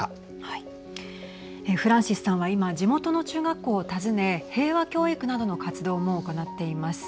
フランシスさんは今地元の中学校を訪ね平和教育などの活動も行っています。